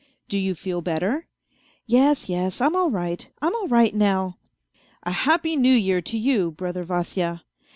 ..."" Do you feel better ?"" Yes, yes, I'm all right, I'm all right now." " A happy New Year to you, brother Vasya."